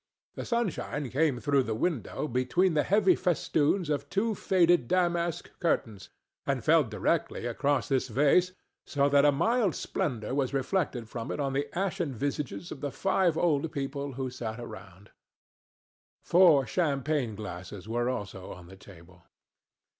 The sunshine came through the window between the heavy festoons of two faded damask curtains and fell directly across this vase, so that a mild splendor was reflected from it on the ashen visages of the five old people who sat around. Four champagne glasses were also on the table.